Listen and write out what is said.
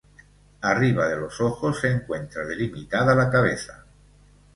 Arriba de los ojos se encuentra delimitada la cabeza.